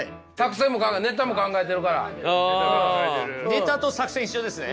ネタと作戦一緒ですね。